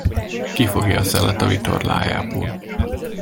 Kifogja a szelet a vitorlájából.